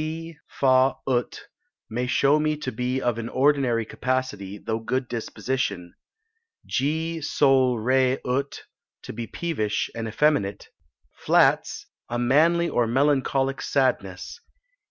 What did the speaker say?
C Fa ut may show me to be of an ordinary capacity, though good disposition. G Sol re ut, to be peevish and effeminate. Flats, a manly or melancholic sadness.